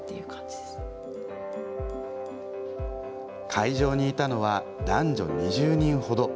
会場にいたのは男女２０人程。